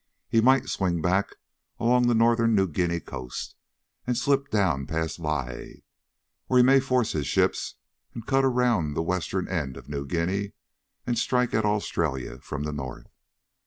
He might swing back along the northern New Guinea coast, and slip down past Lae. Or he may force his ships and cut around the western end of New Guinea, and strike at Australia from the north.